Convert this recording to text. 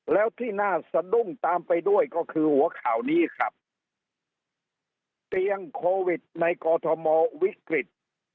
แล้วที่น่าสะดุ้งตามไปด้วยก็คือหัวข่าวนี้ครับเตียงโควิดในกอทมวิกฤต